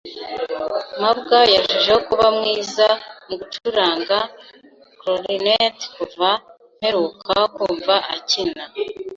mabwa yarushijeho kuba mwiza mu gucuranga Clarinet kuva mperuka kumva akina.